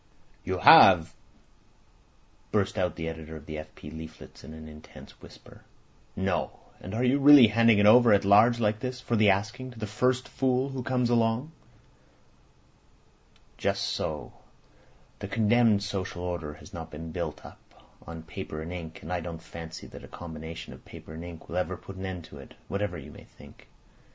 "You have!" burst out the editor of the F. P. leaflets in an intense whisper. "No! And are you really handing it over at large like this, for the asking, to the first fool that comes along?" "Just so! The condemned social order has not been built up on paper and ink, and I don't fancy that a combination of paper and ink will ever put an end to it, whatever you may think.